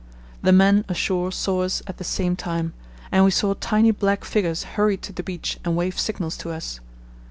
The men ashore saw us at the same time, and we saw tiny black figures hurry to the beach and wave signals to us.